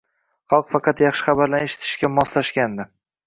Xalq faqat yaxshi xabarlarni eshitishga moslashgandi.